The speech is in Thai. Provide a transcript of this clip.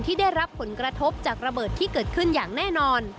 ที่ได้รับผลกระทบจากระเบิดที่เกิดขึ้นอย่างแน่นอน